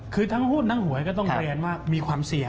คือทั้งหุ้นทั้งหวยก็ต้องเรียนว่ามีความเสี่ยง